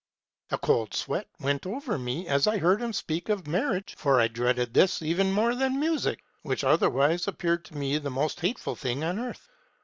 "A cold sweat went over me as I heard him speak of marriage ; for I dreaded this even more than music, which MEISTER'S TRAVELS. 247 had, of old, appeared to me the most hateful thing on earth.